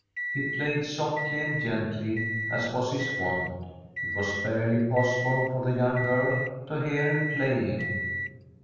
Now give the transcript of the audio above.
He played softly and gently, as was his wont. It was barely possi* ble for the young girl to hear him playing.